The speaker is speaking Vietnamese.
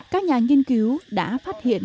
các nhà nghiên cứu đã phát hiện